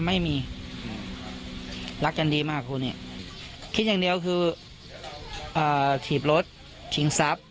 ไม่มีรักกันดีมากคู่นี้คิดอย่างเดียวคือถีบรถชิงทรัพย์